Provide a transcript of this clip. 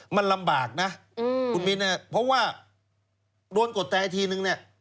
มันลำบากนะคุณมินเนี่ยเพราะว่าโดนกดตายทีนึงเนี่ย